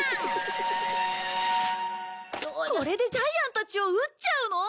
これでジャイアンたちを撃っちゃうの？